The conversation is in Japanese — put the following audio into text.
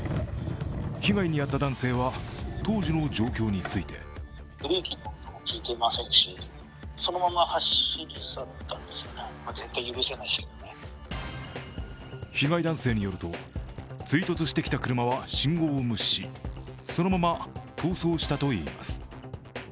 被害に遭った男性は当時の状況について被害男性によると、追突してきた車は信号を無視しそのまま逃走したといいます。